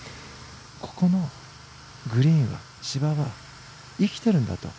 ここのグリーンは、芝は生きているんだと。